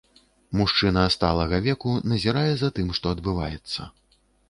Мужчына сталага веку назірае за тым, што адбываецца.